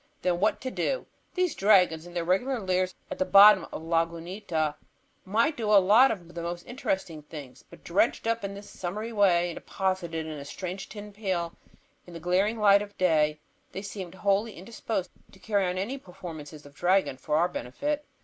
Then, what to do? These dragons in their regular lairs at the bottom of Lagunita might do a lot of most interesting things, but dredged up in this summary way and deposited in a strange tin pail in the glaring light of day, they seemed wholly indisposed to carry on any performances of dragon for our benefit.